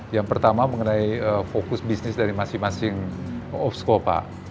yang pertama mengenai fokus bisnis dari masing masing opsco pak